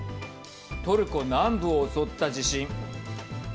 トルコ南部を襲った地震。